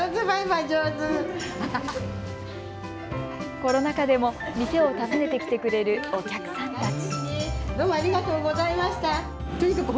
コロナ禍でも店を訪ねてきてくれるお客さんたち。